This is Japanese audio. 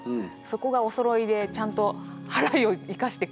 そこがおそろいでちゃんとはらいを生かしてくれてて。